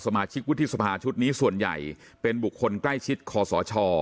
สมาชิกวุฒิสภาชุดนี้ส่วนใหญ่เป็นบุคคลใกล้ชิดคอสช